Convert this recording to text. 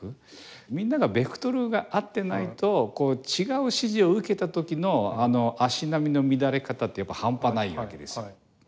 みんなのベクトルが合ってないと違う指示を受けた時の足並みの乱れ方って半端ないわけですよ。